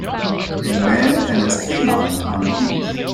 A man and his canine on the beach.